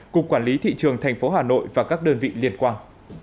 cục quản lý thị trường tp hà nội và các đơn vị liên quan